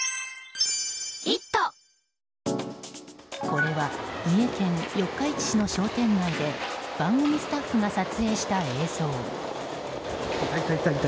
これは三重県四日市市の商店街で番組スタッフが撮影した映像。